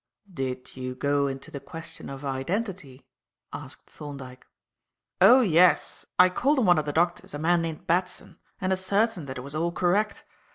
"Did you go into the question of identity?" asked Thorndyke. "Oh, yes. I called on one of the doctors, a man named Batson, and ascertained that it was all correct.